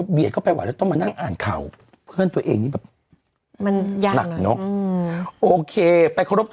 เดี๋ยวกลับมาครับ